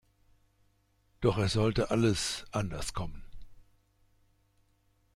Doch es sollte alles anders kommen.